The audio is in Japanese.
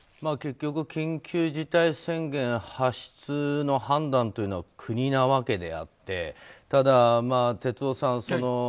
結局、緊急事態宣言発出の判断というのは国なわけであってただ、哲夫さん。